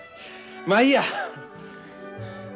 まあいいや。